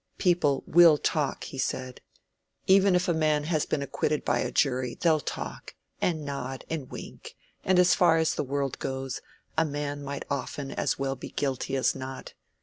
"People will talk," he said. "Even if a man has been acquitted by a jury, they'll talk, and nod and wink—and as far as the world goes, a man might often as well be guilty as not.